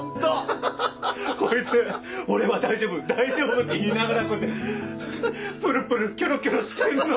こいつ「俺は大丈夫大丈夫」って言いながらこうやってプルプルキョロキョロしてんの。